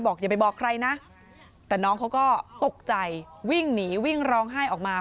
อย่าไปบอกใครนะแต่น้องเขาก็ตกใจวิ่งหนีวิ่งร้องไห้ออกมา